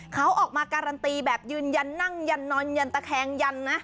เขาออกมาการันตีแบบยืนยันนั่งยันนอนยันตะแคงยันนะ